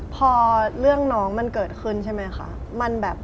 พอเรื่องน้องมันเกิดขึ้นใช่ไหมคะ